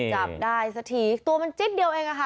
จับได้สักทีตัวมันจิ๊ดเดียวเองอะค่ะ